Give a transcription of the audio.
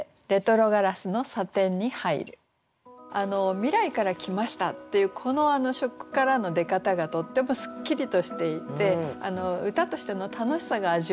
「未来から来ました、」っていうこの初句からの出方がとってもすっきりとしていて歌としての楽しさが味わえるんですよね。